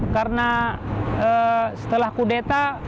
karena setelah kudeta